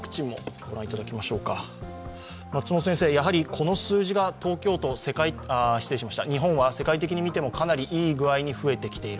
この数字が日本は世界的に見てもかなりいい具合に増えてきている。